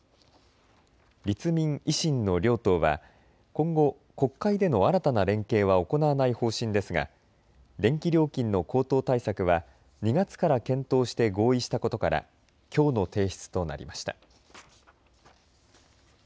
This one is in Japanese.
立民・維新の両党は今後、国会での新たな連携は行わない方針ですが電気料金の高騰対策は２月から検討して合意したことからきょうの提出となりました。